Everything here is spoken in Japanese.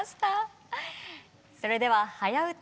それでは「はやウタ」